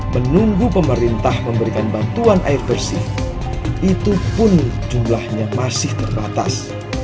menunggu pemerintah memberikan bantuan air bersih itu pun jumlahnya masih terbatas